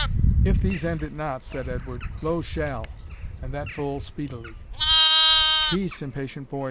"If these end it not," said Edward, "blows shall, and that full speedily." "Peace, impatient boy!"